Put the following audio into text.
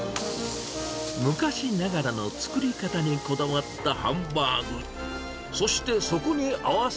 昔ながらの作り方にこだわったハンバーグ。